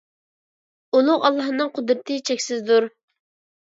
ئۇلۇغ ئاللاھنىڭ قۇدرىتى چەكسىزدۇر!